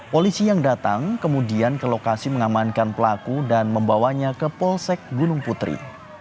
polisi yang datang kemudian ke lokasi mengamankan pelaku dan membawanya ke polsek gunung putri